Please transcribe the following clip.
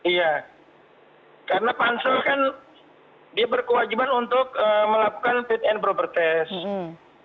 iya karena pansel kan dia berkewajiban untuk melakukan fit and proper test